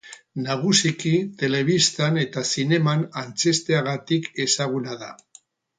Nagusiki telebistan eta zineman antzezteagatik ezaguna da.